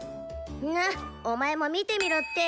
なっお前も見てみろって！